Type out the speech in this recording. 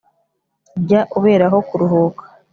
Jya uberaho kuruhuka.